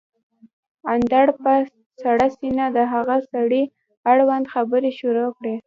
اندړ په سړه سينه د هغه سړي اړوند خبرې شروع کړې